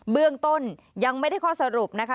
เบื้องต้นยังไม่ได้ข้อสรุปนะคะ